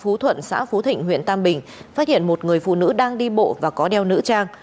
phú thuận xã phú thịnh huyện tam bình phát hiện một người phụ nữ đang đi bộ và có đeo nữ trang